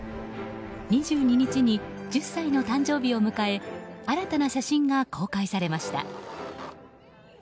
２２日に１０歳の誕生日を迎え新たな写真が公開されました。